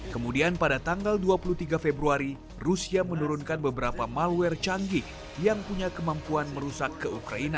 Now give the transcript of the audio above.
kemudian pada tanggal dua puluh tiga februari rusia menurunkan beberapa malware canggih yang punya kemampuan merusak ke ukraina